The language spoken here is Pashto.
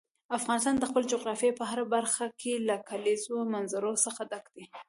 افغانستان د خپلې جغرافیې په هره برخه کې له کلیزو منظره څخه ډک دی.